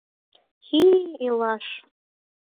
— Хи-и, илаш!..